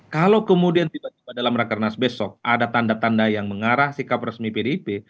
kalau kemudian tiba tiba dalam rakernas besok ada tanda tanda yang mengarah sikap resmi pdip